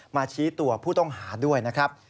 ชี้ตัวผู้ต้องหาด้วยนะครับ